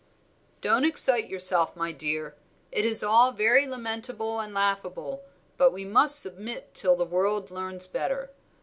'" "Don't excite yourself, my dear; it is all very lamentable and laughable, but we must submit till the world learns better.